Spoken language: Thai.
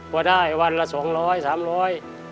ว่าได้วันละสองร้อยสามร้อย